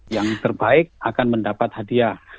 yang terbaik akan mendapat hadiah